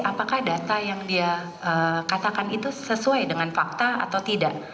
apakah data yang dia katakan itu sesuai dengan fakta atau tidak